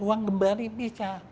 uang gembari bisa